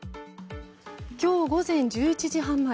今日午前１１時半前